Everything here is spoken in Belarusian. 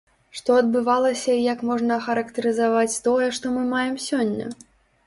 Што адбывалася і як можна ахарактарызаваць тое, што мы маем сёння?